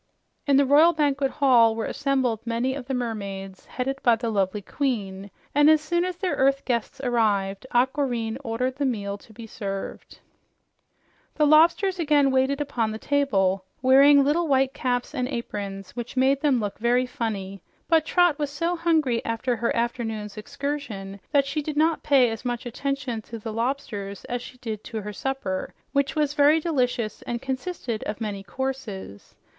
In the royal banquet hall were assembled many of the mermaids, headed by the lovely queen, and as soon as their earth guests arrived, Aquareine ordered the meal to be served. The lobsters again waited upon the table, wearing little white caps and aprons which made them look very funny; but Trot was so hungry after her afternoon's excursion that she did not pay as much attention to the lobsters as she did to her supper, which was very delicious and consisted of many courses.